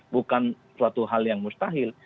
bukan suatu hal yang mustahil